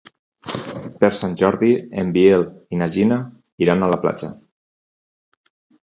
Per Sant Jordi en Biel i na Gina iran a la platja.